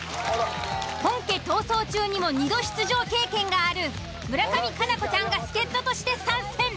本家「逃走中」にも２度出場経験がある村上佳菜子ちゃんが助っ人として参戦。